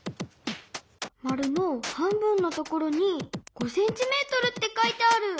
まるの半分のところに５ｃｍって書いてある。